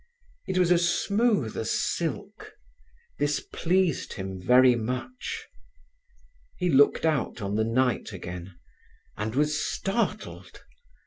It was smooth as silk. This pleased him very much. He looked out on the night again, and was startled.